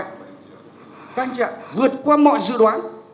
các anh chị ạ vượt qua mọi dự đoán